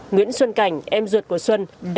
nguyễn xuân cảnh em đã đổi tên cho xuân hùng